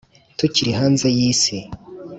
tukiri hanze yi si.